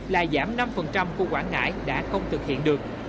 là giảm năm của quảng ngãi đã không thực hiện được